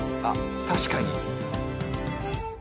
確かに。